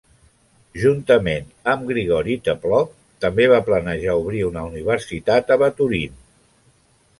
Juntament amb Grigory Teplov també va planejar obrir una universitat a Baturin.